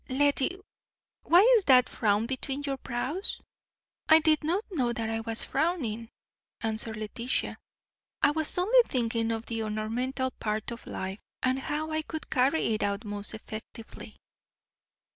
Lettie, why is that frown between your brows?" "I did not know that I was frowning," answered Letitia, "I was only thinking of the ornamental part of life, and how I could carry it out most effectively."